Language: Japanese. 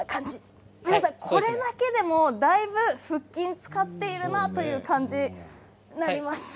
これだけでもだいぶ腹筋を使っているなという感じになります。